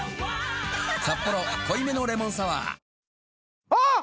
「サッポロ濃いめのレモンサワー」あっ！